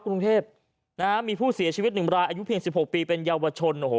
กรุงเทพนะฮะมีผู้เสียชีวิตหนึ่งรายอายุเพียงสิบหกปีเป็นเยาวชนโอ้โห